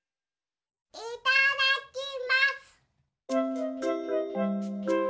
いただきます！